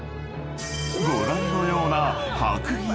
［ご覧のような］